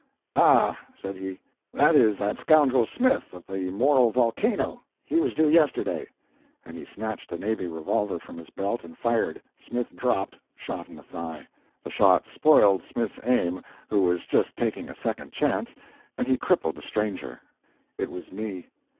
"Ah," said he, "that is that scoundrel Smith, of the Moral Volcano he was due yesterday." And he snatched a navy revolver from his belt and fired Smith dropped, shot in the thigh. The shot spoiled Smith's aim, who was just taking a second chance and he crippled a stranger. It was me.